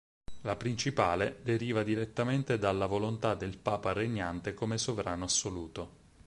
La principale deriva direttamente dalla volontà del papa regnante come sovrano assoluto.